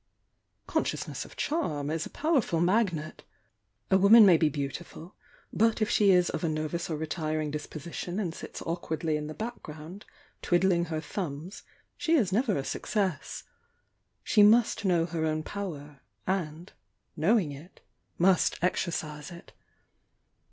Con sciousness of charm is a powerful magnet. A wom an may be beautiful, but if she is of a, nervous or retiring disposition and sits awkwardly in the back ground twiddling her thumbs she is never a success. She must know her own power, and, knowing it, must exercise it.